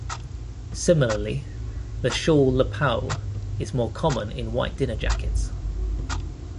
Similarly, the shawl lapel is more common in white dinner jackets.